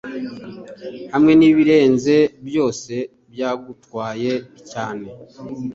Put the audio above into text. hamwe nibirenze byose byagutwaye cyane